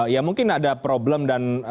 ya mungkin ada problem dan